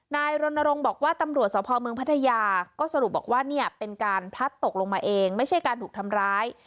นายรณรงค์บอกว่าตำรวจสพเมืองพัทยาก็สรุปบอกว่าเนี่ยเป็นการพลัดตกลงมาเองไม่ใช่การถูกทำร้าย